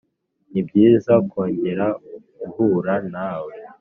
Nibyiza kongera guhura nawe